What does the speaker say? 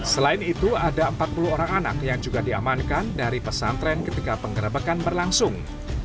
selain itu ada empat puluh orang anak yang juga diamankan dari pesantren ketika pengerebekan berlangsung